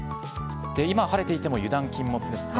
今、晴れていても油断禁物ですね。